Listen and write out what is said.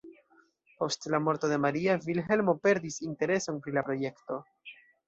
Post la morto de Maria, Vilhelmo perdis intereson pri la projekto.